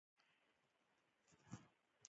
هغه ځينې مشخص اصول په خپل کار کې عملي کړل.